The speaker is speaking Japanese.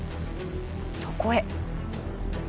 そこへ。